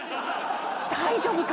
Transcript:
大丈夫か？